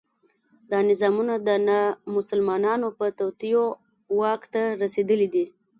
دا نظامونه د نامسلمانو په توطیو واک ته رسېدلي دي.